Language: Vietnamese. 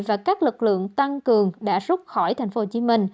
và các lực lượng tăng cường đã rút khỏi tp hcm